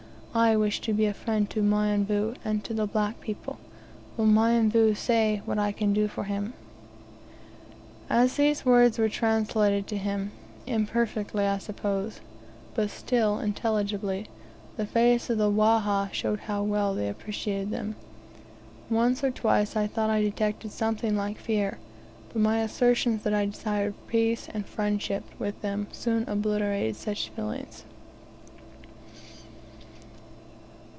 I wish to be a friend to Mionvu, and to all black people. Will Mionvu say what I can do for him?" As these words were translated to him imperfectly, I suppose, but still, intelligibly the face of the Wahha showed how well they appreciated them. Once or twice I thought I detected something like fear, but my assertions that I desired peace and friendship with them soon obliterated all such feelings.